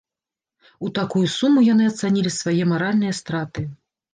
У такую суму яны ацанілі свае маральныя страты.